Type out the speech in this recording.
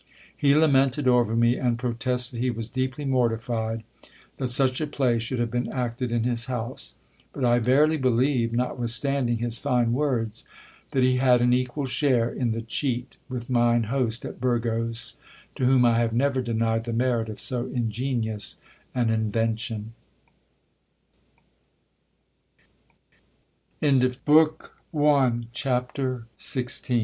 He lamented over me, and protested he was deeply mortified that such a play should have been acted in his house ; but I verily believe, not withstanding his fine words, that he had an equal share in the cheat with mine host at Burgos, to whom I have never denied the merit of so ingenious an in vention. Ch.